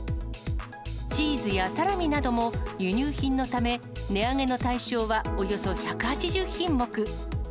チーズやサラミなども輸入品のため、値上げの対象はおよそ１８０品目。